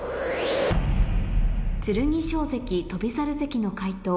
剣翔関翔猿関の解答